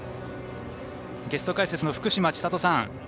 ゲスト解説の福島千里さん。